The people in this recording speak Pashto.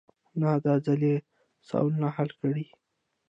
نه داځل يې سوالونه حل کړي.